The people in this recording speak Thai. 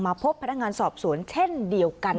พบพนักงานสอบสวนเช่นเดียวกัน